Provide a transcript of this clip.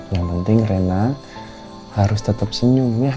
yang penting rena harus tetap senyum ya